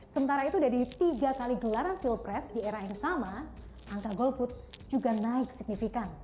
sementara itu dari tiga kali gelaran pilpres di era yang sama angka golput juga naik signifikan